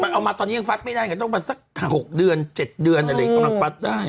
เอามาตอนนี้ยังฟัดไม่ได้เดี๋ยวต้องไปสัก๖เดือน๗เดือนอะไร